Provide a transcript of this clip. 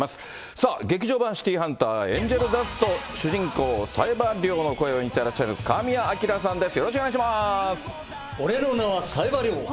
さあ、劇場版シティーハンターエンジェルダスト主人公、冴羽りょうの声を演じてらっしゃる神谷明さんです。